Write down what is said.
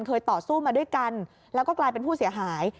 ต่อสู้มาด้วยกันแล้วก็กลายเป็นผู้เสียหาย